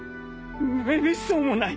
めっそうもない。